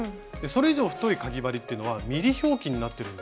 それ以上太いかぎ針っていうのはｍｍ表記になってるんです。